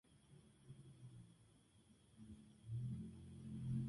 Las divisas irán colocadas sobre fondo blanco.